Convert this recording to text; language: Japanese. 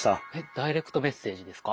ダイレクトメッセージですか？